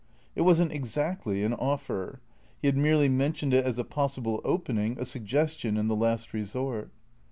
It was n't exactly an offer. He had merely mentioned it as a possible opening, a suggestion in the last resort.